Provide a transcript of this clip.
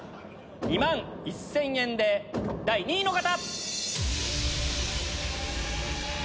２万１０００円で第２位の方！